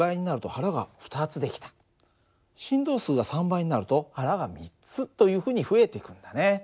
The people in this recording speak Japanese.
振動数が３倍になると腹が３つというふうに増えていくんだね。